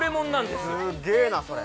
すっげえなそれ